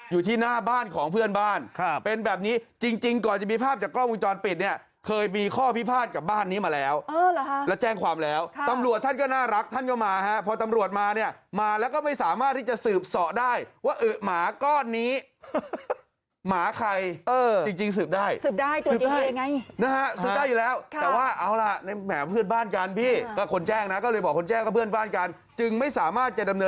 อยู่ที่หน้าบ้านของเพื่อนบ้านเป็นแบบนี้จริงก่อนจะมีภาพจากกล้องวิวจรปิดเนี่ยเคยมีข้อพิพาทกับบ้านนี้มาแล้วแล้วแจ้งความแล้วตำรวจท่านก็น่ารักท่านก็มาฮะพอตำรวจมาเนี่ยมาแล้วก็ไม่สามารถที่จะสืบเสาะได้ว่าหมาก้อนนี้หมาใครจริงสืบได้สืบได้ตัวจริงยังไงนะฮะสืบได้อยู่แล้วแต่ว่าเอาล่ะ